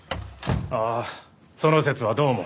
ああその節はどうも。